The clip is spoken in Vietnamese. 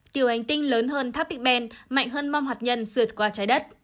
tiểu hành tinh lớn hơn tháp bích bèn mạnh hơn mong hạt nhân sượt qua trái đất